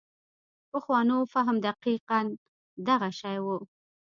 پخوانو فهم دقیقاً دغه شی و.